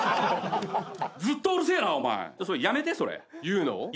ずっとうるせえなお前やめてそれ。